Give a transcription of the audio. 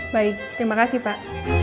baik terima kasih pak